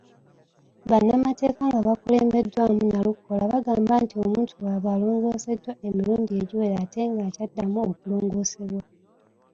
Bannamateeka nga bakulembeddwamu Nalukoola bagamba nti omuntu waabwe alongooseddwa emirundi egiwera ate ng'akyaddamu okulongoosebwa.